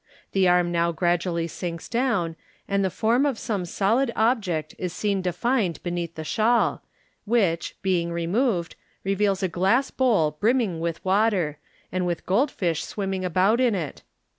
The arm now gradually sinks down, and the form of some solid object is seen denned beneath the shawl, which, being removed, reveals a glass bowl brimming with water, and with gold fish swimming about in it.